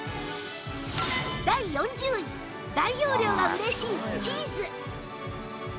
第４０位大容量が嬉しいチーズ